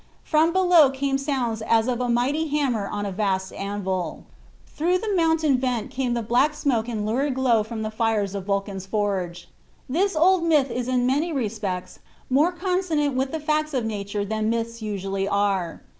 From below came sounds as of a mighty hammer on a vast anvil. Through the mountain vent came the black smoke and lurid glow from the fires of Vulcan's forge. This old myth is in many respects more consonant with the facts of nature than myths usually are.